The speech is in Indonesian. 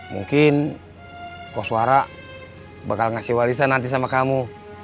mungkin kok suara bakal ngasih warisan nanti sama kamu